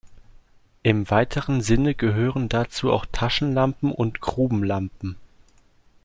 Im weiteren Sinne gehören dazu auch Taschenlampen und Grubenlampen.